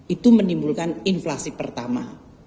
itu menimbulkan inflasi pertama